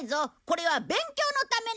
これは勉強のための。